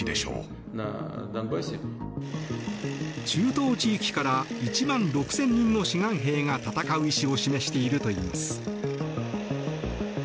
中東地域から１万６０００人の志願兵が戦う意思を示しているといいます。